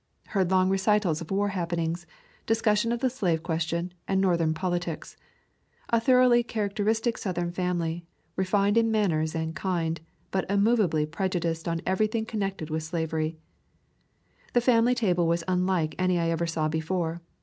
Heard long recitals of war happenings, discussion of the slave question, and Northern politics; a thoroughly characteristic Southern family, re fined in manners and kind, but immovably prejudiced on everything connected with slav ery. The family table was unlike any I ever saw before.